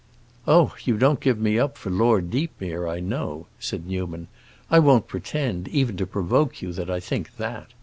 "Oh, you don't give me up for Lord Deepmere, I know," said Newman. "I won't pretend, even to provoke you, that I think that.